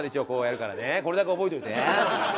これだけ覚えておいてね。